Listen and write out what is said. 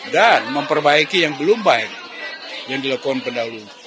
dan memperbaiki yang belum baik yang dilakukan pendahulunya